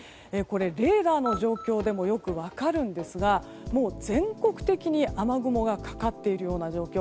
レーダーの状況でもよく分かるんですがもう全国的に雨雲がかかっているような状況。